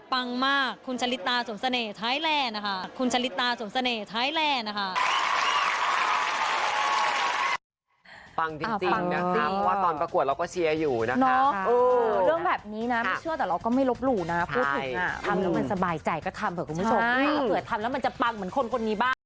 ปังมากคุณชะลิตาสวงเสน่ห์ไทยแลนด์คุณชะลิตาสวงเสน่ห์ไทยแลนด์